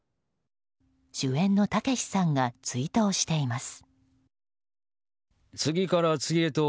主演のたけしさんが追悼しています。